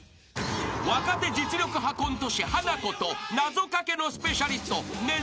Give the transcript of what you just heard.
［若手実力派コント師ハナコと謎掛けのスペシャリストねづっちが対決］